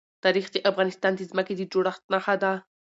تاریخ د افغانستان د ځمکې د جوړښت نښه ده.